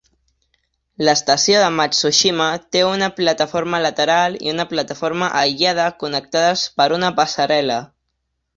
L'estació de Matsushima té una plataforma lateral i una plataforma aïllada connectades per una passarel·la.